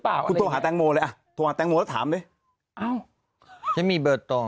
คุณโทรหาแตงโมเลยอ่ะโทรหาแตงโมแล้วถามไหมเอ้าฉันมีเบอร์ต่อ